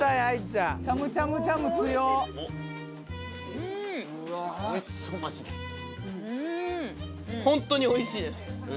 うんホントにおいしいです